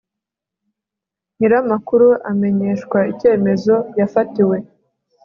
nyir amakuru amenyeshwa icyemezo yafatiwe